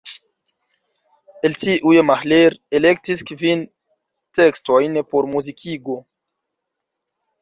El tiuj Mahler elektis kvin tekstojn por muzikigo.